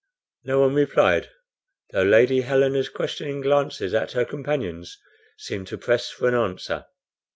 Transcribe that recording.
No one replied, though Lady Helena's questioning glances at her companions seemed to press for an answer.